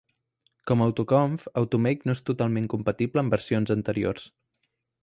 Com Autoconf, Automake no és totalment compatible amb versions anteriors.